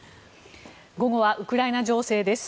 午後はウクライナ情勢です。